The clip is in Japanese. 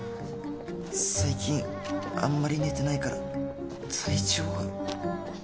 最近あんまり寝てないから体調が